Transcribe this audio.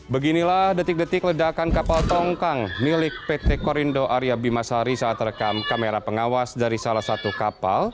beginilah detik detik ledakan kapal tongkang milik pt korindo area bimasari saat rekam kamera pengawas dari salah satu kapal